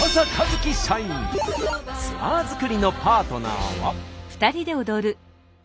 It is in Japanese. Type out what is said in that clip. ツアー作りのパートナーは。